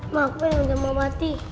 mak aku yang udah mau mati